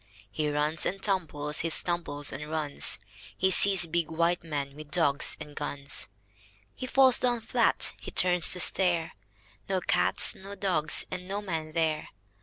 He runs and tumbles, he tumbles and runs. He sees big white men with dogs and guns. He falls down flat. H)e turns to stare — No cats, no dogs, and no men there.